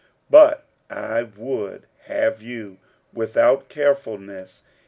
46:007:032 But I would have you without carefulness.